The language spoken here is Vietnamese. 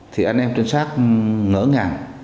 thì anh em trinh sát ngỡ ngàng